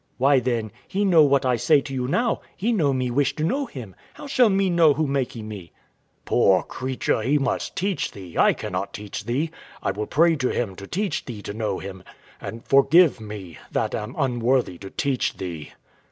Wife. Why, then, He know what I say to you now: He know me wish to know Him. How shall me know who makee me? W.A. Poor creature, He must teach thee: I cannot teach thee. I will pray to Him to teach thee to know Him, and forgive me, that am unworthy to teach thee.